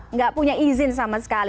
nggak punya izin sama sekali